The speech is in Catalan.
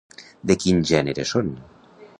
De quin gènere són?